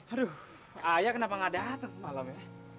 aduh ayah kenapa nggak datang semalam ya